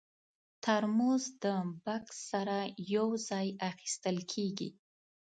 ترموز د بکس سره یو ځای اخیستل کېږي.